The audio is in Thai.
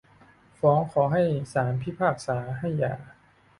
ฟ้องขอให้ศาลพิพากษาให้หย่า